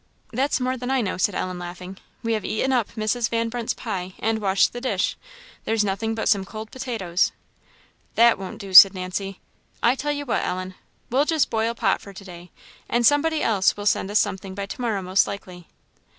"That's more than I know," said Ellen, laughing. "We have eaten up Mrs. Van Brunt's pie, and washed the dish there's nothing but some cold potatoes." "That won't do," said Nancy. "I tell you what, Ellen we'll just boil pot for to day; somebody else will send us something by to morrow most likely."